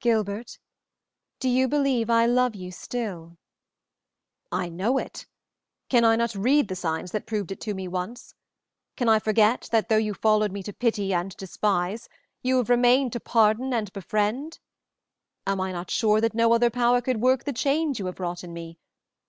"Gilbert, do you believe I love you still?" "I know it! Can I not read the signs that proved it to me once? Can I forget that, though you followed me to pity and despise, you have remained to pardon and befriend? Am I not sure that no other power could work the change you have wrought in me?